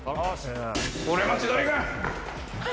俺も千鳥軍！